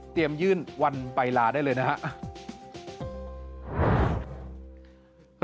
เตรียมยื่นวันไปลาได้เลยนะครับ